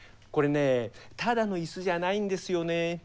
これねただの椅子じゃないんですよね。